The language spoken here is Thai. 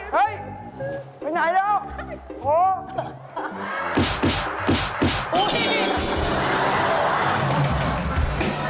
หายทางนู้น